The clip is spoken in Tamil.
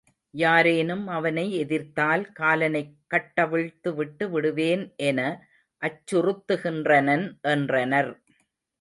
யாரேனும் அவனை எதிர்த்தால் காலனைக் கட்டவிழ்த்து விட்டு விடுவேன் என அச்சுறுத்துகின்றனன் என்றனர்.